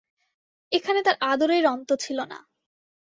এখানে তার আদরের অন্ত ছিল না।